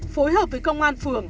phối hợp với công an phường